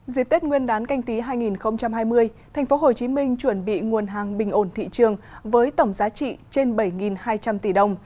dịp tết nguyên đán canh tí hai nghìn hai mươi tp hcm chuẩn bị nguồn hàng bình ổn thị trường với tổng giá trị trên bảy hai trăm linh tỷ đồng